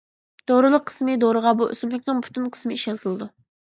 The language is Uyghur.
دورىلىق قىسمى دورىغا بۇ ئۆسۈملۈكنىڭ پۈتۈن قىسمى ئىشلىتىلىدۇ.